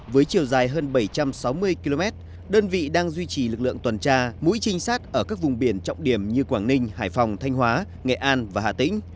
với chiều dài hơn bảy trăm sáu mươi km đơn vị đang duy trì lực lượng tuần tra mũi trinh sát ở các vùng biển trọng điểm như quảng ninh hải phòng thanh hóa nghệ an và hà tĩnh